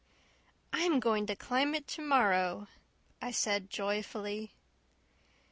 "I'm going to climb it to morrow," I said joyfully.